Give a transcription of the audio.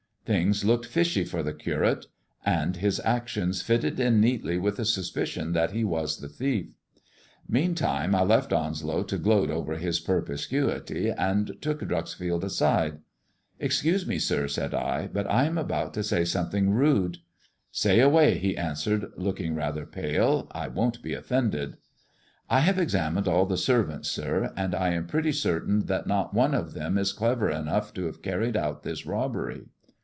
Things »oked fishy for the Curate, and his actions fitted in neatly ith the suspicion that he was the thief. Meantime I left nslow to gloat over his perspicuity, and took Dreuxfield side. " Excuse me, sir," said I, " but I am about to say some ling rude." Say away," he answered, looking rather pale, " I won't e ofEended." " I have examined all the servants, sir, and I am pretty srtain that not one of them is clever enough to have irried out this robbery.